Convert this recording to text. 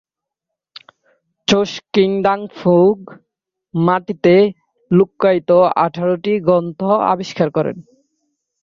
ছোস-ক্যি-দ্বাং-ফ্যুগ মাটিতে লুক্কায়িত আঠারোটি গ্রন্থ আবিষ্কার করেন।